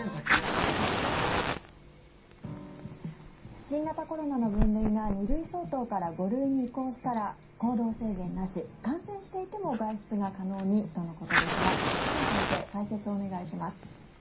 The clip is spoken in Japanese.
新型コロナの分類が２類相当から５類に移行したら行動制限なし、感染していても外出が可能にとのことですが久住先生解説お願いします。